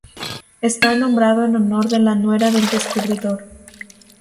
Está nombrado en honor de la nuera del descubridor.